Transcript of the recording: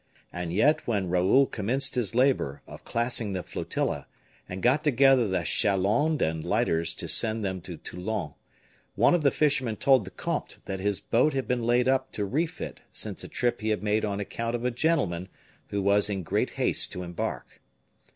And yet when Raoul commenced his labor of classing the flotilla, and got together the chalands and lighters to send them to Toulon, one of the fishermen told the comte that his boat had been laid up to refit since a trip he had made on account of a gentleman who was in great haste to embark.